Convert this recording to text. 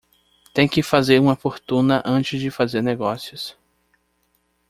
Tem que fazer uma fortuna antes de fazer negócios